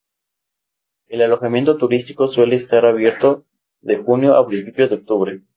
El alojamiento turístico suele estar abierto de junio a principios de octubre.